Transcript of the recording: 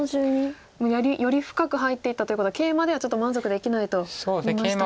より深く入っていったということはケイマではちょっと満足できないと見ましたか。